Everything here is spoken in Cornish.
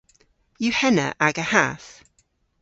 Yw henna aga hath?